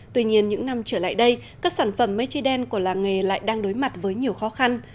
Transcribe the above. tuy nhiên những năm trở lại đây các sản phẩm mây tre đen của làng nghề lại đang đối mặt với nhiều khó khăn